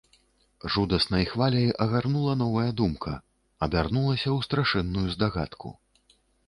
Жудаснай хваляй агарнула новая думка, абярнулася ў страшэнную здагадку.